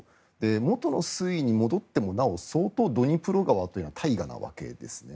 元の推移に戻ってもなお相当ドニプロ川というのは大河なわけですね。